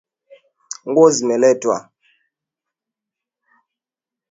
Nguo zimeletwa.